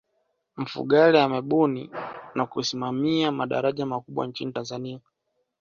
mfugale amebuni na kusimamia madaraja makubwa nchini tanzania